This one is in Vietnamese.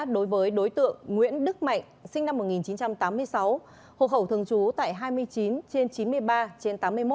đối với đối tượng nguyễn đức mạnh sinh năm một nghìn chín trăm tám mươi sáu hộ khẩu thường trú tại hai mươi chín trên chín mươi ba trên tám mươi một